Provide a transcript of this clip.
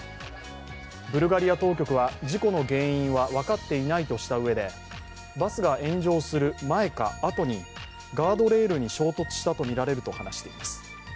ブルガリア当局は事故の原因は分かっていないとしたうえで、バスが炎上する前かあとにガードレールに衝突したとみられると話しています。